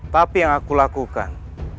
tapi yang aku lakukan